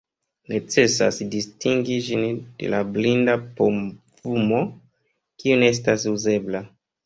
Necesas distingi ĝin de la blinda povumo, kiu ne estas uzebla.